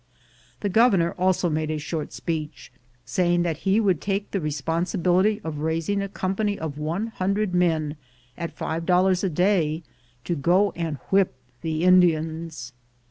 The Governor also made a short speech, saying that he would take the responsibility of raising a company of one hundred men, at five dollars a day, to go and whip the Indians.